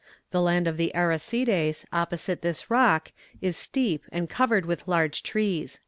The land of the Arsacides, opposite this rock, is steep, and covered with large trees."